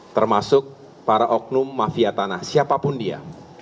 termasuk para oknum mafia tanah siapapun dia